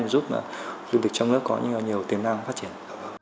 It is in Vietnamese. giúp du lịch trong nước có nhiều tiềm năng phát triển